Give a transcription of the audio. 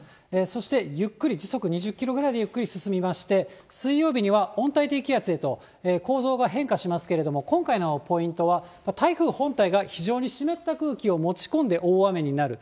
そしてゆっくり、時速２０キロぐらいでゆっくり進みまして、水曜日には温帯低気圧へと構造が変化しますけれども、今回のポイントは、台風本体が非常に湿った空気を持ち込んで大雨になる。